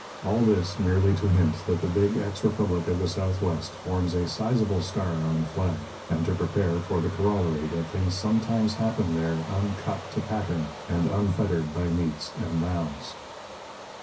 All this merely to hint that the big ex republic of the Southwest forms a sizable star on the flag, and to prepare for the corollary that things sometimes happen there uncut to pattern and unfettered by metes and bounds.